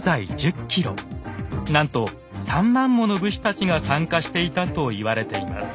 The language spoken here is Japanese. なんと３万もの武士たちが参加していたと言われています。